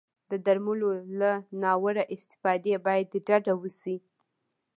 د درملو له ناوړه استفادې باید ډډه وشي.